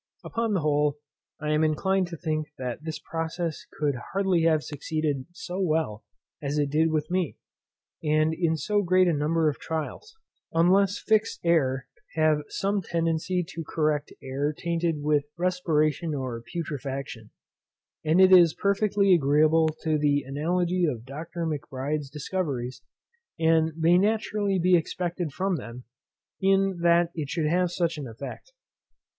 Upon the whole, I am inclined to think that this process could hardly have succeeded so well as it did with me, and in so great a number of trials, unless fixed air have some tendency to correct air tainted with respiration or putrefaction; and it is perfectly agreeable to the analogy of Dr. Macbride's discoveries, and may naturally be expected from them, that it should have such an effect.